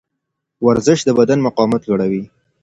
ورزش د بدن مقاومت لوړوي.